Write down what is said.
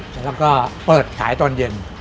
แล้วก็เปิดขายตอนเย็น